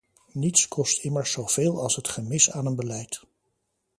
Niets kost immers zoveel als het gemis aan een beleid.